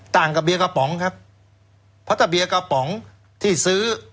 ต่างกับเบียร์กระป๋องครับเพราะถ้าเบียร์กระป๋องที่ซื้อ